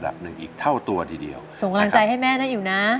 ส่งกำลังใจให้แม่นะอยู่นะ